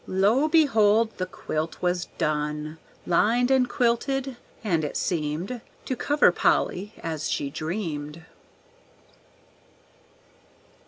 Lo, behold! the quilt was done, Lined and quilted, and it seemed To cover Polly as she dreamed!